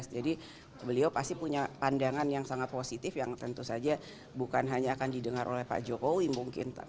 jadi beliau pasti punya pandangan yang sangat positif yang tentu saja bukan hanya akan didengar oleh pak jokowi mungkin